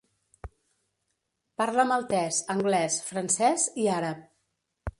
Parla Maltès, anglès, francès i àrab.